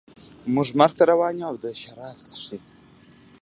موږ مرګ ته روان یو او دی شراب څښي